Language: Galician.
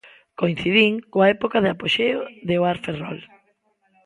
Coincidín coa época de apoxeo do Oar Ferrol.